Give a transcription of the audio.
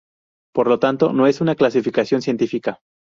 Por lo tanto, no es una clasificación científica.